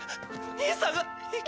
兄さんが生きて。